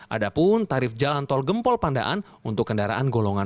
ada pun tarif jalan tol gempol pandaan untuk kendaraan golongan